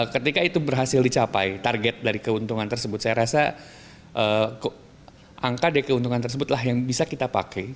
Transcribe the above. ketika itu berhasil dicapai target dari keuntungan tersebut saya rasa angka dari keuntungan tersebutlah yang bisa kita pakai